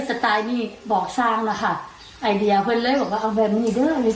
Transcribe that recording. สไตล์นี้บอกสร้างนะคะไอเดียเพื่อนเลยบอกว่าเอาแบบนี้ด้วย